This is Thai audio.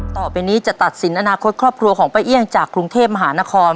ต่อไปนี้จะตัดสินอนาคตครอบครัวของป้าเอี่ยงจากกรุงเทพมหานคร